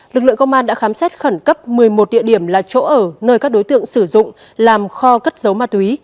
lực lượng công an đã khám xét khẩn cấp một mươi một địa điểm là chỗ ở nơi các đối tượng sử dụng làm kho cất dấu ma túy